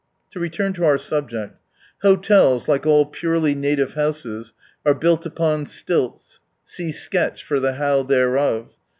To return 10 our subject. Hotels, like all purely native houses, are built upon stilts (see sketch for the how thereof).